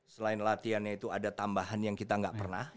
selain latihan itu ada tambahan yang kita gak pernah